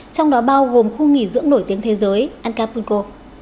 trong đó bao gồm khu nghỉ dưỡng nổi tiếng thế giới ancapulco